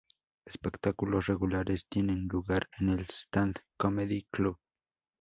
Espectáculos regulares tienen lugar en el Stand Comedy Club.